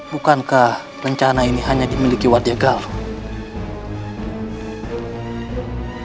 bukankah rencana ini hanya dimiliki wardia galuh